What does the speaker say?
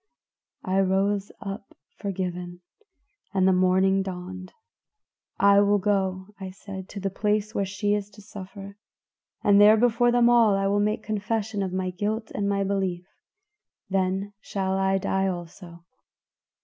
"I rose up forgiven, and the morning dawned. 'I will go,' I said, 'to the place where she is to suffer, and there before them all I will make confession of my guilt and my belief; then shall I die also.